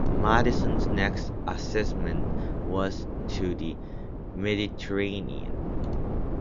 "Madison"'s next assignment was to the Mediterranean.